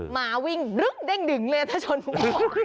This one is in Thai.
หมาวิ่งเร่งเด้งดึงเลยถ้าชนมุ้ง